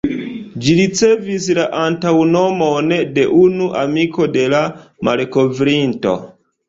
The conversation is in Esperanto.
Ĝi ricevis la antaŭnomon de unu amiko de la malkovrinto.